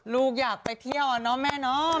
ลูกอยากไปเที่ยวอะเนาะแม่เนาะ